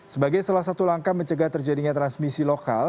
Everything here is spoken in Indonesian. sebagai salah satu langkah mencegah terjadinya transmisi lokal